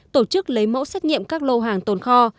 tổ chức lấy mẫu xét nghiệm các lô hàng tồn kho